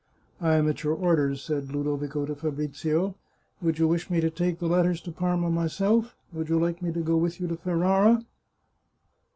" I am at your orders," said Ludovico to Fabrizio. "Would you wish me to take the letters to Parma myself? Would you like me to go with you to Ferrara?"